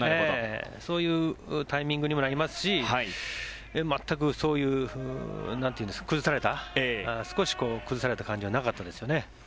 そういうタイミングにもなりますし全くそういう崩された少し崩された感じはなかったですよね。